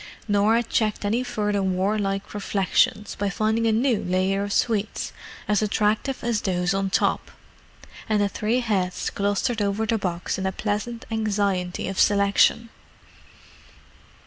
Norah checked any further warlike reflections by finding a new layer of sweets as attractive as those on top, and the three heads clustered over the box in a pleasant anxiety of selection.